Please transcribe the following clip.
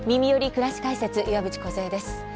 くらし解説」岩渕梢です。